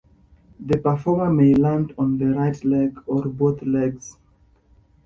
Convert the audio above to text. The performer may land on the right leg or both legs.